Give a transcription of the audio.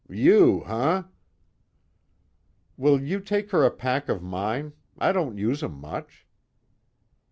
"You, huh?" "Will you take her a pack of mine? I don't use 'em much."